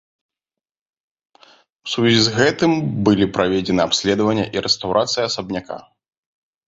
У сувязі з гэтым былі праведзены абследаванне і рэстаўрацыя асабняка.